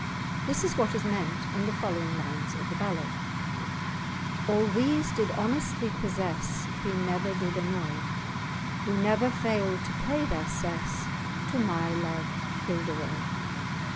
This is what is meant in the following lines of the ballad— "All these did honestly possess He never did annoy, Who never failed to pay their cess To my love, Gilderoy."